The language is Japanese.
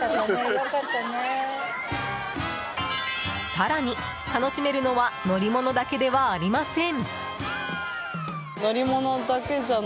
更に楽しめるのは乗り物だけではありません。